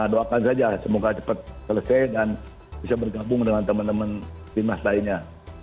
doakan saja semoga cepat selesai dan bisa bergabung dengan teman teman timas lainnya